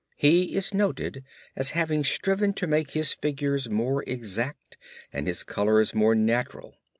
He is noted as having striven to make his figures more exact and his colors more natural.